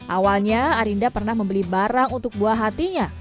awalnya arinda pernah membeli barang untuk buah hatinya